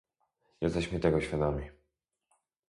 Jesteśmy tego świadomi